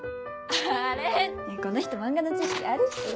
あれこの人漫画の知識ある人だよ。